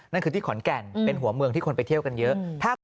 นั่นคือที่ขอนแก่นเป็นหัวเมืองที่คนไปเที่ยวกันเยอะ